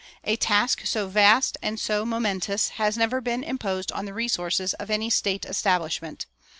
A task so vast and so momentous has never been imposed on the resources of any state establishment.